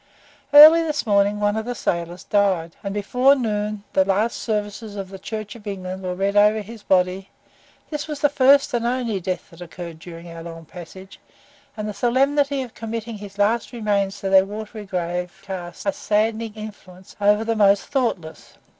Early this morning one of the sailors died, and before noon the last services of the Church of England were read over his body; this was the first and only death that occurred during our long passage, and the solemnity of committing his last remains to their watery grave cast a saddening influence over the most thoughtless.